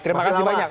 terima kasih banyak